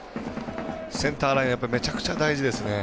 センターラインめちゃくちゃ大事ですね。